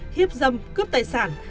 hiếp dâm cướp tài sản